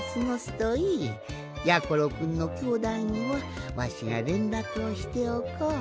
やころくんのきょうだいにはわしがれんらくをしておこう。